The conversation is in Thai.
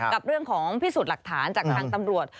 กับเรื่องของพิสูจน์หลักฐานจากทางตำรวจ